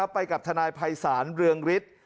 ไปกับธนายศ์ภายศาลเรืองฤษ